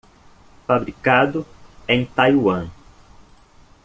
Fabricado em Taiwan.